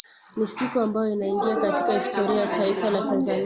Ni siku ambayo inaingia katika historia ya taifa la Tanzania